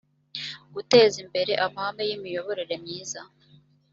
guteza imbere amahame y imiyoborere myiza